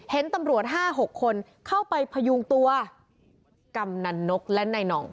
เห็นตำรวจ๕๖คนเข้าไปพยุงตัวกำนันนกและนายหน่อง